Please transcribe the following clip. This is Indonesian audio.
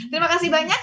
terima kasih banyak